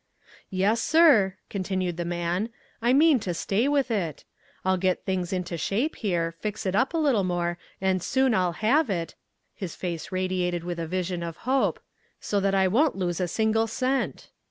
"Yes, sir," continued the man, "I mean to stay with it. I'll get things into shape here, fix it up a little more and soon I'll have it," here his face radiated with a vision of hope "so that I won't lose a single cent."